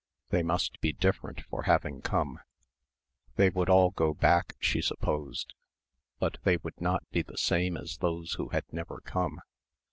They must be different for having come. They would all go back she supposed. But they would not be the same as those who had never come.